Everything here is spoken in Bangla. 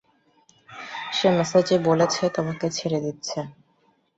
সে মেসেজে বলেছে, তোমাকে ছেড়ে দিচ্ছে।